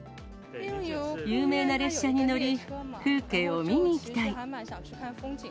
有名な列車に乗り、風景を見に行きたい。